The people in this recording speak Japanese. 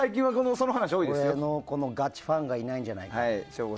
俺のガチファンがいないんじゃないかって。